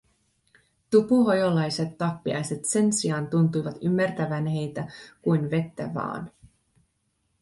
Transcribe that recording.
Tupuhojolaiset tappiaiset sen sijaan tuntuivat ymmärtävän heitä kuin vettä vaan.